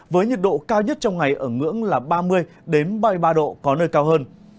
với nhiệt độ cao nhất trong ngày ở ngưỡng là ba mươi ba mươi ba độ có nơi cao hơn